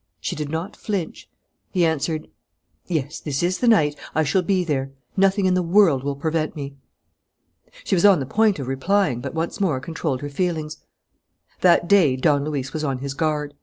She did not flinch. He answered: "Yes, this is the night. I shall be there. Nothing in the world will prevent me." She was on the point of replying, but once more controlled her feelings. That day Don Luis was on his guard.